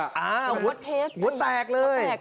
หัวแตกเลย